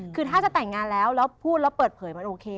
คือถ้าจะแต่งงานแล้วแล้วพูดแล้วเปิดเผยมันโอเค